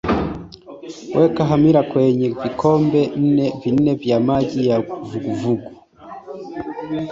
weka hamira kwenye vikombe nne vya maji ya uvuguvugu